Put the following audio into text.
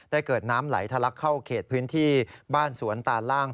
เกิดน้ำไหลทะลักเข้าเขตพื้นที่บ้านสวนตาล่าง